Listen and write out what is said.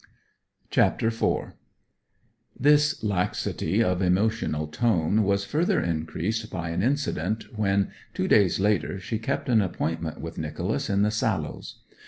CHAPTER IV This laxity of emotional tone was further increased by an incident, when, two days later, she kept an appointment with Nicholas in the Sallows.